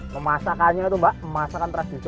memasakannya itu mbak